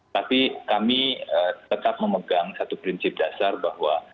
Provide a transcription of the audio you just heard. tapi kami tetap memegang satu prinsip dasar bahwa